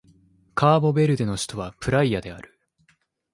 カーボベルデの首都はプライアである